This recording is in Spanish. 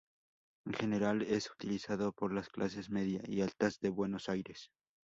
En general es utilizado por las clases media y altas de Buenos Aires.